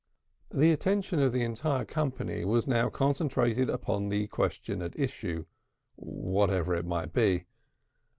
The attention of the entire company was now concentrated upon the question at issue, whatever it might be.